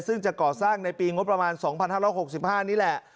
ซึ่งจะก่อสร้างในปีงบประมาณ๒๕๖๕นี่แหละ